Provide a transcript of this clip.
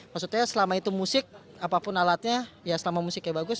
maksudnya selama itu musik apapun alatnya ya selama musiknya bagus